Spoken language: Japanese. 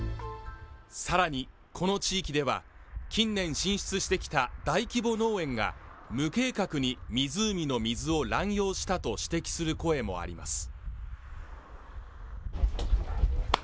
さらにこの地域では近年進出してきた大規模農園が無計画に湖の水を乱用したと指摘する声もあります